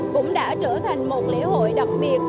cũng đã trở thành một lễ hội đặc biệt